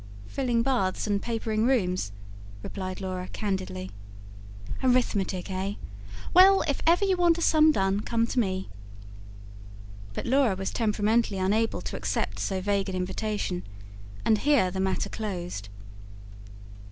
"Filling baths and papering rooms," replied Laura candidly. "Arithmetic, eh? Well, if ever you want a sum done, come to me." But Laura was temperamentally unable to accept so vague an invitation; and here the matter closed.